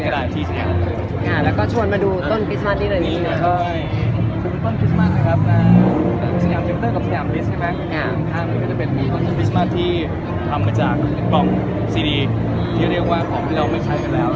แล้วก็ชวนมาดูต้นพริกสมาร์ทนี่เลยต้นพริกสมาร์ทที่ทำมาจากกล่องซีดีที่เรียกว่าของพี่เราไม่ใช่กันแล้ว